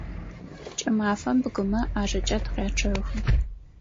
КӀымафэм бгымэ ӀажэкӀэ тыкъячъэхы.